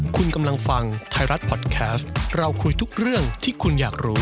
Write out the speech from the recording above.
คุณกำลังฟังไทยรัฐพอดแคสต์เราคุยทุกเรื่องที่คุณอยากรู้